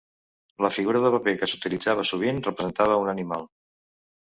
La figura de paper que s'utilitzava, sovint representava a un animal.